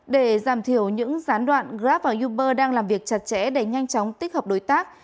để giảm thiểu những gián đoạn grab và uber đang làm việc chặt chẽ để nhanh chóng tích hợp đối tác